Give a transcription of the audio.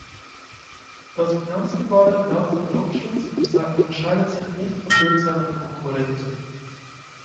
Das Finanzgebaren Nathan Rothschilds unterscheidet sich nicht von dem seiner Konkurrenten.